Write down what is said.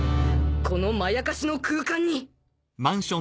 このまやかしの空間に！